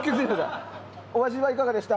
お味はいかがでした？